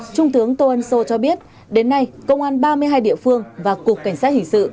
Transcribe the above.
trung tướng tô ân sô cho biết đến nay công an ba mươi hai địa phương và cục cảnh sát hình sự